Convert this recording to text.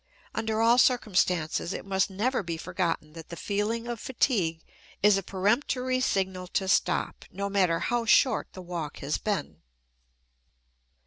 Under all circumstances, it must never be forgotten that the feeling of fatigue is a peremptory signal to stop, no matter how short the walk has been.